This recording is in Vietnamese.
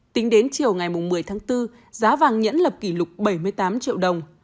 tính đến chiều ngày một mươi tháng bốn giá vàng nhẫn lập kỷ lục bảy mươi tám triệu đồng